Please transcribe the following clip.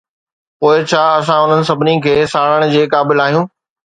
پوء ڇا اسان انهن سڀني کي ساڙڻ جي قابل آهيون؟